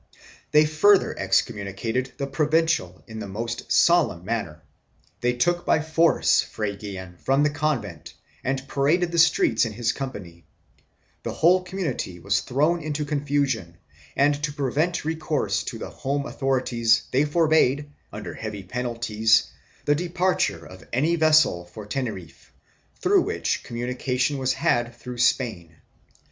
They further excommunicated the Provincial in the most solemn manner; they took by force Fray Guillen from the convent and paraded the streets in his company; the whole community was thrown into confusion and to prevent recourse to the home authorities they forbade, under heavy penalties, the departure of any vessel for Teneriffe, through which communication was had with Spain.